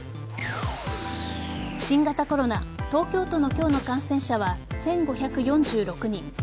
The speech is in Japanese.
新型コロナ東京都の今日の感染者は１５４６人。